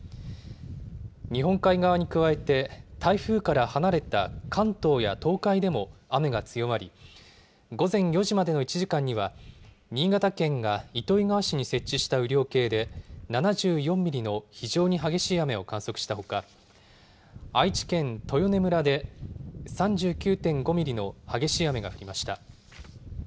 日本海側に加えて台風から離れた関東や東海でも雨が強まり午前４時までの１時間には新潟県が糸魚川市に設置した雨量計で７４ミリの非常に激しい雨を観測したほか愛知県豊根村で３９．５ミリの激しい雨が降りました。